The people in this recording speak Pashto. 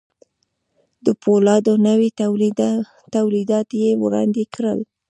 د پولادو نوي توليدات يې وړاندې کړل.